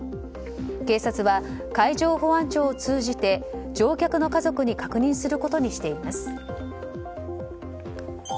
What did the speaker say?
警察は海上保安庁を通じて乗客の家族に確認することにしています。